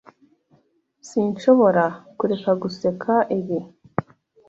Sinshobora kureka guseka ibi.